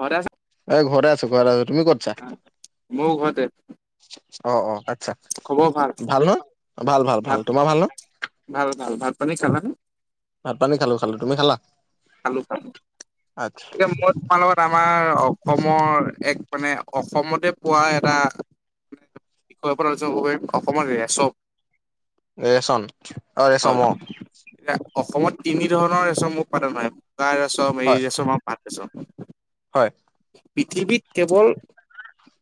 ঘৰতে আছা? এ ঘৰে আছো ঘৰত আছো, তুমি কত আছা? ময়ো ঘৰতে। অ, অ, আৎচ্ছা। খবৰ ভাল? ভাল ন, ভাল ভাল ভাল। ভাত তোমাৰ ভাল ন? ভাল ভাল, ভাত পানী খালানে? ভাত পানী খালো খালো, তুমি খালা? খালো খালো‌, আচ্ছা এতিয়া মই তোমাৰ লগত- তা আমাৰ অসমৰ এক মানে অসমতে পোৱা এটা- [unintelligible] অসমৰ ৰেচপ- ৰেচন, অ' হয়। ৰেচম অঁ। এতিয়া অসমত তিনি ধৰণৰ ৰেচম উৎপাদন হয়। বগা ৰেচম হয় মেৰি ৰেচম আৰু পাত ৰেচম। হয়। পৃথিৱীত কেৱল-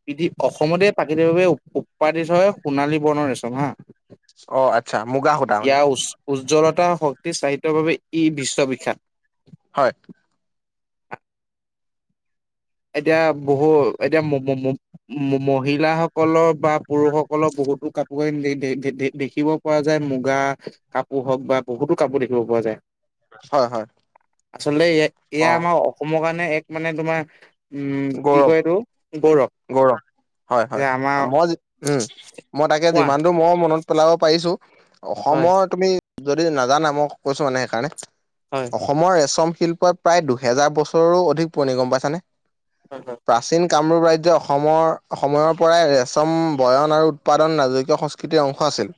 পৃথি অসমতে প্ৰাকৃতিকভাৱে উৎপাদিত হয় সোণালী বৰ্ণৰ ৰেচম হাঁ। অ' আৎচ্ছা মুগা সুতা মানে। উজ্জ্বলতা শক্তি চাহিতৰ বাবে ই বিশ্ববিখ্যাত। হয়। এতিয়া বহু এতিয়া মম ম মম- ম ম মহিলাসকলৰ বা পুৰুষসকলৰ বহুতো কাপোৰ কানি দে দে দে দেখিব- পোৱা যায় মুগা কাপোৰ হওক বা বহুতো কাপোৰ দেখিব পোৱা যায়। হয় হয়। আচলতে এ এয়া অ', আমাৰ অসমৰ কাৰণে এক মানে তোমাৰ- উম' কি গৌৰৱ কয় এইটো? গৌৰৱ। হয় যে হয়, আমাৰ মই উম' মই তাকে কোৱা যিমানটো মই মনত- পেলাব পাৰিছো হয় অসমৰ তুমি যদি নাজানা মই কৈছো মানে সেইকাৰণে- হয়। অসমৰ ৰেচম শিল্পই প্ৰায় দুহেজাৰ বছৰৰো অধিক পুৰণি গম পাইছানে? হয় হয়। প্ৰাচীন কামৰূপ ৰাজ্য অসমৰ অসময়ৰ পৰাই ৰেচম বয়ন আৰু উৎপাদন নাজকীয় সংচ- কিটি অংশ আছিল।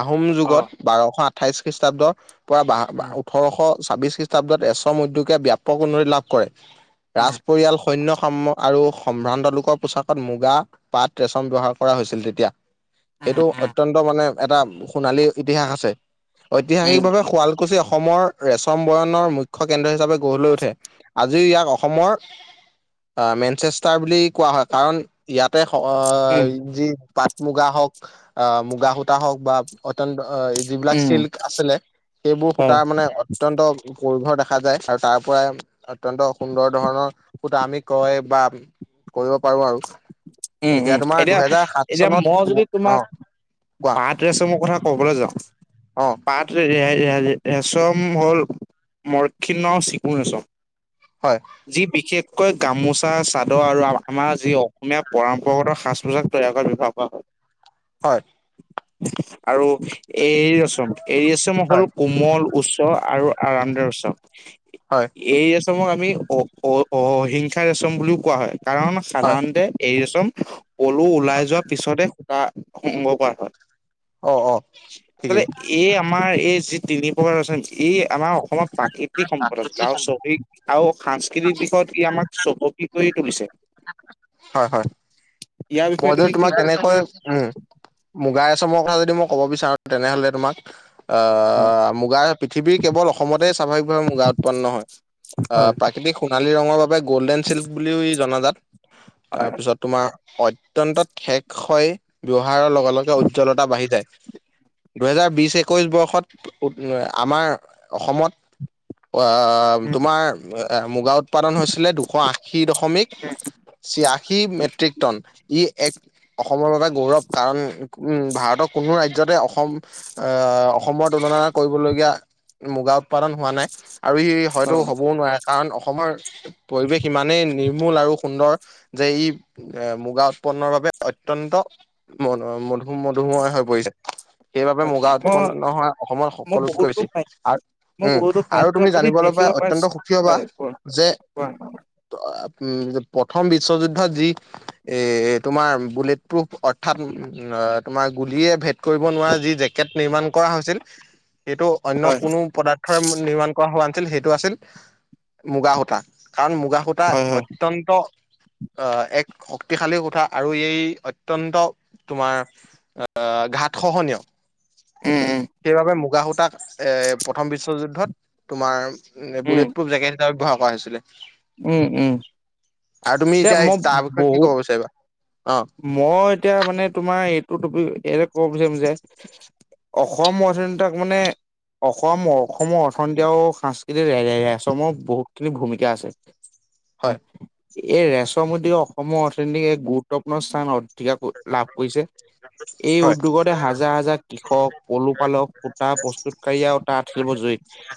আহোম অ যুগত বাৰশ আঠাইশ খ্ৰীষ্টাব্দৰ পৰা ব উম ওঠৰশ- ছাব্বিশ খ্ৰীষ্টাব্দত ৰেছম উদ্যোগে ব্যাপক উন্নতি লাভ কৰে। ৰাজ পৰিয়াল- সৈন্য সাম আৰু সম্ভ্ৰান্ত লোকৰ পোছাকত মুগা পাত ৰেচম ব্যৱহাৰ কৰা হৈছিল তেতিয়া। উম সেইটো অত্ন্ত মানে এটা সোণালী ইতিহাস আছে। ঐতিহাসিকভাৱে শুৱাল- কুছি অসমৰ ৰেচম বয়ণৰ মুখ্য কেন্দ্ৰ হিচাপে গঢ় লৈ উঠে। আজি ইয়াক অসমৰ- মেনচেষ্টাৰ বুলি কোৱা হয়, কাৰণ ইয়াতে উম যি পাট মুগা হওঁক, অ মুগা সূতা হওঁক বা অত্যন্ত যিবিলাক উম চিল্ক আছিলে, সেইবোৰ হয় সূতাৰ মানে অত্যন্ত পৰিভৰ দেখা যায়, আৰু তাৰ পৰাই অত্যন্ত সুন্দৰ ধৰণৰ আমি কয় বা কৰিব পাৰো আৰু। উম' উম তোমাৰ 'এতিয়া দুহেজাৰ সাত এতিয়া চনত মই যদি মু- তোমাক অ কোৱা পাত ৰেচৰ কথা ক'বলে যাওঁ, অ পাত ৰেচম হ'ল মৰক্ষিণৰ চিকুণেচম। হয়। যি বিশেষকৈ গামোচা চাদৰ আৰু আমাৰ যি অ অসমীয়া পৰম্পৰাগত সাজ পোছাক তৈয়াৰ কৰি ব্যৱহাৰ কৰা হয়। হয়। আৰু এৰী ৰেচম, এৰী ৰচম হ'ল হয় কোমল উচ্চ আৰু আৰাম দায়ক উচ্চ। হয় এই ৰেচমক আমি অ অ অহিংসা ৰেচম বুলিও কোৱা হয়। কাৰণ হয় সাধাৰণতে এই ৰেচম পলু ওলাই যোৱাৰ পিছতহে সূতা সংগ্ৰহ কৰা হয়। অ অ ঠিকেই আচলতে এই আমাৰ এই যি তিনি প্ৰকাৰ ৰেচন, এই আমাৰ অসমত প্ৰাকৃতিক সম্পদ আছিল আৰু শহিক আৰু সা কৃতিৰ দিশত ই আমাক চহকী কৰি তুলিছে। হয়, হয় ইয়াৰ মই বিষয়ে যে তুমি কি তোমাক কবা? কেনেকৈ উম' মুগা ৰেচমৰ কথা যদি মই ক'ব বিচাৰো তেনেহলে তোমাক আ উম, মুগাৰ পৃথিৱীৰ কেৱল অসমতে স্বাভাৱিকভাৱে মুগা উৎপন্ন নহয়। আ হয় প্ৰা সোণালী ৰঙৰ বাবে গ'ল্ডেন চিল্ক বুলিও ই জনাজাত। হয় তাৰপিছত তোমাৰ অত্যন্ত ঠেক হয়, ব্যৱহাৰৰ লগে লগে উজ্জ্বলতা বাঢ়ি যায়। দুহেজাৰ বিশ একৈশ বৰ্ষত উ আমাৰ অসমত আ তোমাৰ এ মুগা উৎপাদন হৈছিলে দুশ আশী দশমিক। ছিয়শী মেট্ৰিকটন। ই এক অসমৰ বাবে গৌৰৱ, কাৰণ উম ভাৰতৰ কোনো ৰাজ্যতে অসম আ অসমৰ তুলনা কৰিবলগীয়া মুগা উৎপাদন হোৱা নাই। আৰু ই হয়তো হ'বও নোৱাৰে। কাৰণ অসমৰ পৰিৱেশ ইমানেই নিৰ্মূল আৰু সুন্দৰ যে ই এ মুগাঁ উৎপন্নৰ বাবে অত্যন্ত, ম মধু মধুময় হৈ পৰিছে। সেইবাবে মুগা মই উৎপন্ন হোৱা অসমৰ মই সকলোতকৈ বহুতো বেছি। পাই আৰু মই উম বহুতো আৰু তুমি পাঠ্যপুথিত জানিবলে পাই দেখিব অত্যন্ত পাইছো সুখী হবা হয় কোৱা যে কোৱা উম 'প্ৰথম বিশ্বযুদ্ধত যি এ তোমাৰ বুলেট প্ৰুফ অৰ্থাৎ তোমাৰ গুলিয়ে ভেট কৰিব নোৱাৰে যি জেকেট নিৰ্মাণ কৰা হৈছিল, সেইটো অন্য হয়, কোনো পদা নিৰ্মাণ কৰা হোৱা আছিল, সেইটো আছিল মুগা সূতা, কাৰণ মুগা সূত তা হয়, হয়, অত্যন্ত অ এক শক্তিশালী কথা। আৰু এই অত্যন্ত তোমাৰ ঘাত খহনীয়। উম' উম'। সেইবাবে মুগা সূতাক এ প্ৰথম বিশ্বযুদ্ধত তোমাৰ বুলেট উম, প্ৰুফ জেকেট। ব্যৱহাৰ কৰা হৈছিলে, উম, উম, আৰু তুমি মই এতিয়া তাৰ বিষয়ে কি বহুত কব বিচাৰিবা? অঁ। মই এতিয়া মানে তোমাৰ এইটো টপিক এই ক'ব বিচাৰিম যে। অসমৰ যোনটাক মানে অসম অসমৰ অৰ্থনীতি আৰু সাংস্কৃতিৰ ৰে-ৰে-চমৰ বহুতখিনি ভূমিকা আছে। হয় এই ৰেচম উদ্যোগ অসমৰ অৰ্থনীতিক এক গুৰুত্বপূৰ্ণ স্থানত ঠিকা লাভ কৰিছে। এই হয় উদ্যোগতে হাজাৰ হাজাৰ কৃষক পলু পালক সূতা প্ৰস্তুতি কাৰিয়ীয়ে আৰু তাঁত শিল্প জৰি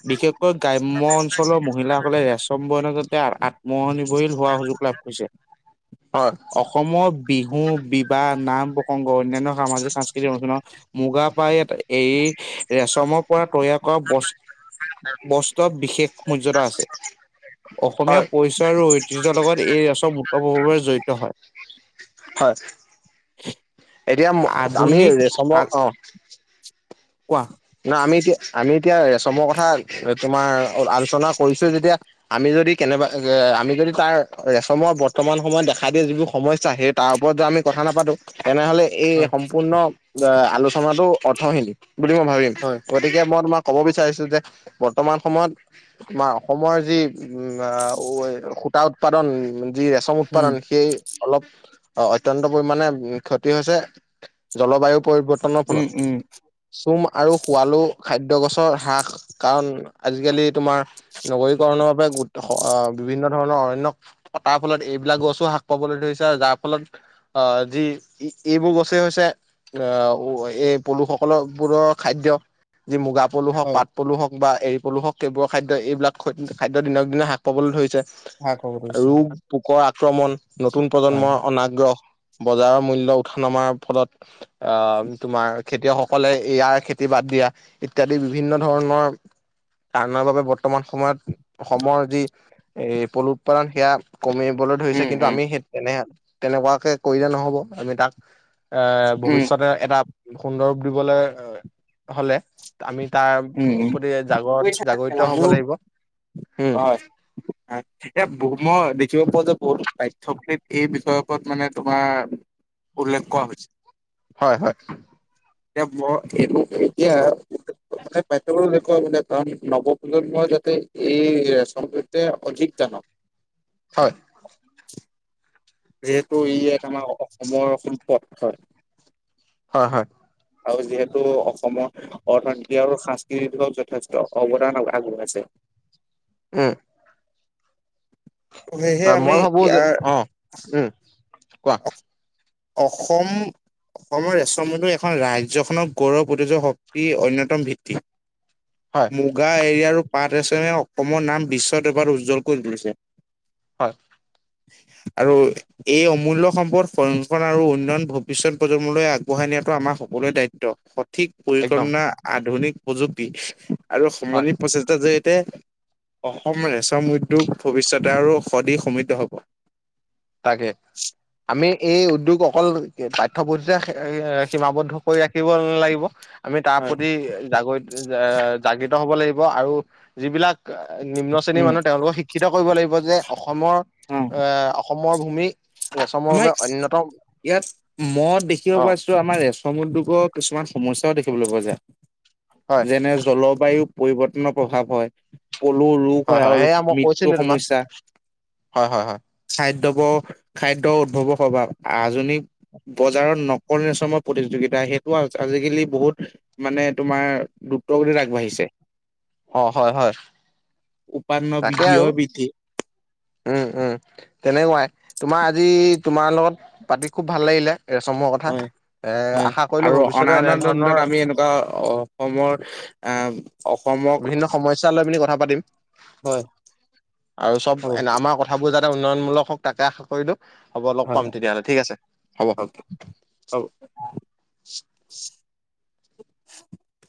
বিশেষকৈ গ্ৰাম্য অঞ্চলৰ মহিলাসকলে ৰেচম বয়ন যাতে আত্মহনি হৈল হোৱা সুযোগ লাভ কৰিছে হয় অস সমৰ বিহু বিবাহ নাম প্ৰসংগ অনন্য সামাজিক সাংস্কৃতিক অনুষ্ঠানত মূগা পাই এই ৰেচমৰ পৰা তৈয়াৰ কৰা বস্ত বস্ত্ৰ বিশেষ মৰ্যাদা আছে। অসমীয়া হয় পৰিচয় আৰু ঐতিহ্যৰ লগত এই ৰাচৰ মূতপূৰ্বভাৱে জড়িত হয়। হয়, এতিয়া আমি আধুনিক আ ৰেচমৰ অ'। কোৱা। না আমি এতিয়া আমি এতিয়া ৰেচমৰ কথা তোমাৰ আলোচনা কৰিছোঁ যেতিয়া আমি যদি কেনেবা এ আমি যদি তাৰ ৰেচমৰ বৰ্তমান সময়ত দেখা দিয়ে যিবোৰ সমস্যা সেই তাৰ ওপৰত যদি আমি কথা নাপাতো তেনেহ'লে এই হয় সম্পূৰ্ণ আলোচনাটো অৰ্থহীন বুলি মই ভাবিম। হয়। গতিকে মই তোমাক ক'ব বিচাৰিছো যে বৰ্তমান সময়ত আমাৰ অসমৰ যি উম, উ, সূতা উৎপাদন যি ৰেচম উম উৎপাদন সেই অলপ অ', অত্যন্ত পৰিমাণে ক্ষতি হৈছে জলবায়ু পৰিৱৰ্ত উম উম [unintelligible] আৰু শোৱালো খাদ্য গছৰ হ্ৰাস কাৰণ আজিকালি তোমাৰ নগৰীকৰণৰ বাবে দশ আ, বিভিন্ন ধৰণৰ অন্য তাৰ ফলত এইবিলাক গছো হ্ৰাস পাবলৈ ধৰিছে আৰু যাৰ ফলত অ', যি এইবোৰ গছে হৈছে এই পলুসকল বোৰক খাদ্য যি মূগা পলু হওঁক হয় পাট পলু হওঁক বা এৰি পলু হওঁক সেইবোৰ খাদ্য এইবিলাক খ খাদ্য দিনক দিনে হ্ৰাস পাবলৈ ধৰিছে, ভাল খবৰ দিছে। ৰোগ পোকৰ আক্ৰমণ নতুন হয়। প্ৰজন্মৰ অনাগ্ৰহ বজাৰৰ মূল্য উঠা নমাৰ ফলত অহ, তোমাৰ খেতিয়কসকলে ইয়াৰ খেতি বাতি আ ইত্যাদি বিভিন্ন ধৰণৰ আণাৰ বাবে বৰ্তমান সময়ত অসমৰ যি এ পলু উৎপাদন সেয়া কমিবলৈ ধৰিছে উম, কিন্তু উম, আমি সেই তেনে তেনেকুৱাকে কৰিলে নহ'ব আমি তাক এ উম, ভৱিষ্যতে এটা সুন্দৰ কৰিবলৈ হ'লে আমি তাৰ উম, উম, প্ৰতি জাগ বুজিছা জাগৰিত মোৰ হ'ব লাগিব, হম। উম। [unintelligible] এতিয়া মই দেখিব পাওঁ যে বহুত পাঠ্যকিত এই বিষয় ওপৰত মানে তোমাৰ উল্লেখ কৰা হৈছে। হয়, হয়। এতিয়া মই এইটো এতিয়া মানে [unintelligible] কাৰণ [unintelligible] নৱ প্ৰজন্মই যাতে এই সম্পৰ্কে অধিক জানক। হয়। যিহেতু ই এক আমাৰ অসমৰ সম্পদ হয়। হয় হয়। আৰু যিহেতু অসমৰ অৰ্থনীতি আৰু সাংস্কৃতিৰ বিকাশত যথেষ্ট অৱদান আ আগবঢ়াইছে। উম। ত সেয়েহে আমি মই ভাবো যে, ইয়াৰ অ উম। কোৱা অসম অসমৰ ৰেচমটো এখন ৰাজ্যখনক গৌৰৱ ঐতিহ্য শক্তিৰ অন্যতম ভিত্তি। হয় মুগা, এৰি আৰু পাট ৰেচমে অসমৰ নাম বিশ্বত এবাৰ উজ্জ্বল কৰি তুলিছে। হয়। আৰু এই অমূল্য সম্পদ সংৰক্ষণ আৰু উন্নয়ন ভৱিষ্যত প্ৰজন্মলৈ আগবঢ়াই নিয়াটো আমাৰ সকলোৱে দায়িত্ব। স ঠিক একদম পৰিকল্পনা, আধুনিক প্ৰযুক্তি আৰু হয় সমূলি প্ৰচেষ্টা যে তে, অসম ৰেচম উদ্যোগ ভৱিষ্যতে আৰু অধিক সমৃদ্ধ হ'ব। তাকে। আমি এই উদ্যোগ অকল কে পাঠ্যপুথিতে সী আ সীমাবদ্ধ কৰি ৰাখিব নালাগিব। আমি তাৰ হয়, প্ৰতি জাগৰিত জা জাগৃত হ'ব লাগিব আৰু যিবিলাক কা নিম্ন শ্ৰেণীৰ উম, মানুহে তেওঁলোকক শিক্ষিত কৰিব লাগিব যে অসমৰ অ', আহ অসমৰ ভূমি অসমৰ ৰেচমৰ আমাৰ বাবে অন্যতম ইয়াত মই দেখিব অ পাইছো আমাৰ ৰেচম উদ্যোগৰ কিছুমান সমস্যাও দেখিবলৈ পোৱা যায়। হয় যেনে জলবায়ু পৰিৱৰ্তনৰ প্ৰভাৱ হয়। পলুৰ ৰোগ হয় আৰু সেয়া মই মৃত্যু কৈছিলো তোমাক সমস্যা, হয় হয় হয় খাদ্যবোৰ খাদ্য উদ্ভৱৰ সভাৱ, আধুনিক বজাৰত নকল ৰেচমৰ প্ৰতিযোগিতা সেইটো আজ আজিকালি বহুত মানে তোমাৰ দ্ৰুতগতিত আগবাঢ়িছে। অ হয় হয়। উপায় ন তাকে আৰু বিবিহৰ বিধি। উম উম তেনেকুৱাই তোমাৰ আজি তোমাৰ লগত পাতি খুব ভাল লাগিলে ৰেচমৰ কথা। হয় এ হয় আশা কৰিলো আৰু অনা ভৱিষ্যতেও অনাগত এনেধৰণৰ দিনত আমি এনেকুৱা অসমৰ আহ অসমক, বিভিন্ন সমস্যা লৈ পিনি কথা পাতিম হয়। আৰু চব হ'ব এনে আমাৰ কথাবোৰ যাতে উন্নয়নমূলক হওক তাকে আশা কৰিলো। হ'ব লগ হয় পাম তেতিয়া হ'লে ঠিক আছে, হ'ব। হব।